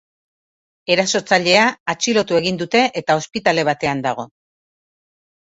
Erasotzailea atxilotu egin dute eta ospitale batean dago.